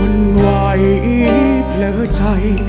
อ่อนไหวเพลิดใจ